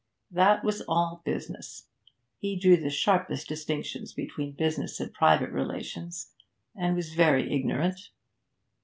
That was all business; he drew the sharpest distinctions between business and private relations, and was very ignorant.